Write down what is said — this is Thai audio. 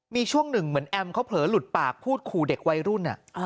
มีช่วงหนึ่งเหมือนแอมเขาเผลอหลุดปากพูดขู่เด็กวัยรุ่น